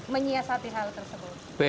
menyiasati hal tersebut